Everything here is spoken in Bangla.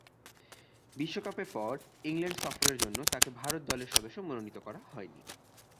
বিশ্বকাপের পর ইংল্যান্ড সফরের জন্য তাকে ভারত দলের সদস্য মনোনীত করা হয়নি।